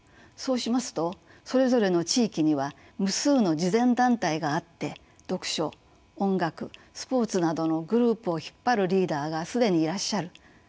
「そうしますとそれぞれの地域には無数の慈善団体があって読書音楽スポーツなどのグループを引っ張るリーダーが既にいらっしゃる。